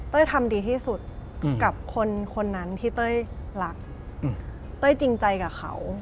ทำดีที่สุดกับคนนั้นที่เต้ยรักเต้ยจริงใจกับเขา